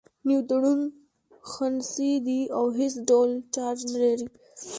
نیوټرون خنثی دی او هیڅ ډول چارچ نلري.